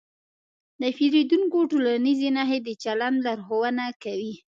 د پیریدونکي ټولنیزې نښې د چلند لارښوونه کوي.